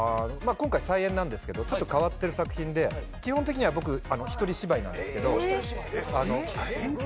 今回再演なんですけどちょっと変わってる作品で基本的には僕一人芝居なんですけどあの円形？